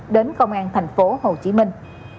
đến công an thành phố hồ chí minh